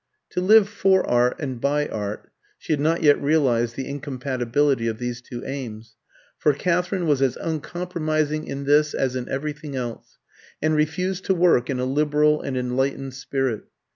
To live for art and by art she had not yet realised the incompatibility of these two aims; for Katherine was as uncompromising in this as in everything else, and refused to work in a liberal and enlightened spirit.